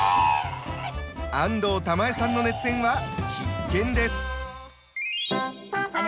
安藤玉恵さんの熱演は必見です。